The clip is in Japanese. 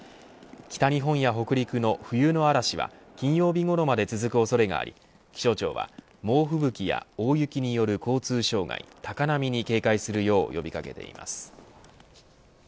北日本や北陸の冬の嵐は金曜日ごろまで続く恐れがあり気象庁は猛吹雪や大雪による交通障害高波に警戒するよう呼び掛けています。